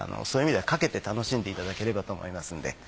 そういう意味では掛けて楽しんでいただければと思いますんで。